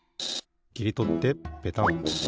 きりとってペタン。